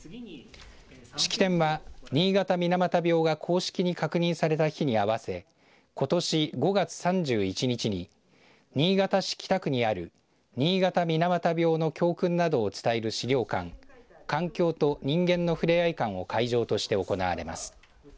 式典は新潟水俣病が公式に確認された日に合わせことし５月３１日に新潟市北区にある新潟水俣病の教訓などを伝える資料館環境と人間のふれあい館を会場として行われます。